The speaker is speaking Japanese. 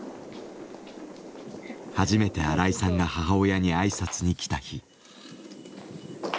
初めて荒井さんが母親に挨拶に来た日。